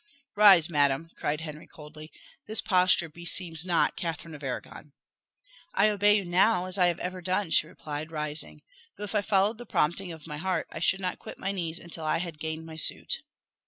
"Rise, madam!" cried Henry coldly; "this posture beseems not Catherine of Arragon." "I obey you now as I have ever done," she replied, rising; "though if I followed the prompting of my heart, I should not quit my knees till I had gained my suit."